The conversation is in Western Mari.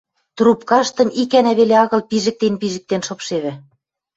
Трубкаштым икӓнӓ веле агыл пижӹктен-пижӹктен шыпшевӹ.